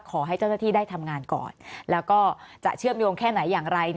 ขอให้เจ้าหน้าที่ได้ทำงานก่อนแล้วก็จะเชื่อมโยงแค่ไหนอย่างไร